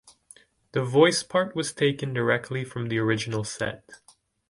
The voice part was taken directly from the original set.